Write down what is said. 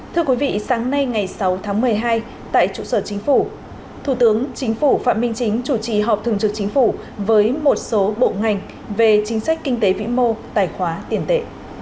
thưa quý vị sáng nay ngày sáu tháng một mươi hai tại trụ sở chính phủ thủ tướng chính phủ phạm minh chính chủ trì họp thường trực chính phủ với một số bộ ngành về chính sách kinh tế vĩ mô tài khoá tiền tệ